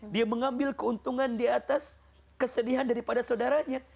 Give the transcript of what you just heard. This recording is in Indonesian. dia mengambil keuntungan diatas kesedihan daripada saudaranya